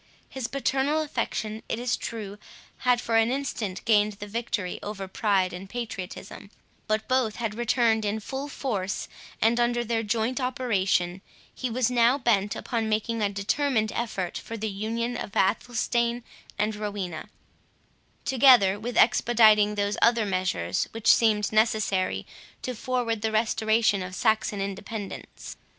His paternal affection, it is true, had for an instant gained the victory over pride and patriotism; but both had returned in full force, and under their joint operation, he was now bent upon making a determined effort for the union of Athelstane and Rowena, together with expediting those other measures which seemed necessary to forward the restoration of Saxon independence.